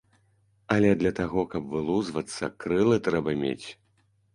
Але для таго, каб вылузвацца, крылы трэба мець.